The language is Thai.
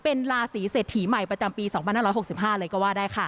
เป็นราศีเศรษฐีใหม่ประจำปี๒๕๖๕เลยก็ว่าได้ค่ะ